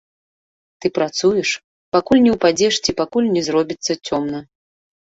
Ты працуеш, пакуль не ўпадзеш ці пакуль не зробіцца цёмна.